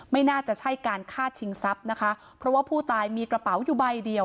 ไม่น่าจะใช่การฆ่าชิงทรัพย์นะคะเพราะว่าผู้ตายมีกระเป๋าอยู่ใบเดียว